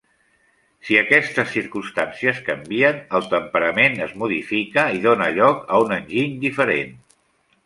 Si aquestes circumstàncies canvien, el temperament es modifica i dóna lloc a un enginy diferent.